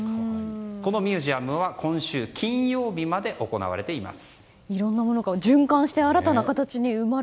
このミュージアムは今週金曜日まで行われています。